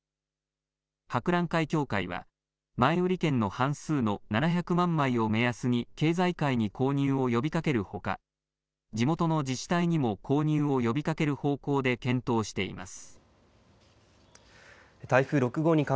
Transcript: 博覧会協会は前売券の半数の７００万枚を目安に経済界に購入を呼びかけるほか地元の自治体にも購入を呼びかける方向で検討しています。